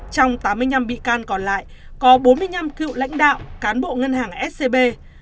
trong tám mươi năm bị can còn lại có bốn mươi năm cựu lãnh đạo cán bộ ngân hàng scb